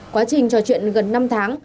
quá trình trò chuyện gần năm tháng